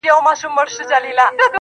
چي څه وکړم، لوټمارې ته ولاړه ده حيرانه